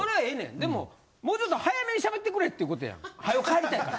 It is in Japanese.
でももうちょっと早めに喋ってくれっていうことやん。はよ帰りたいから。